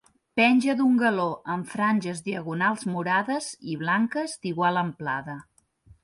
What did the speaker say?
Penja d'un galó amb franges diagonals morades i blanques d'igual amplada.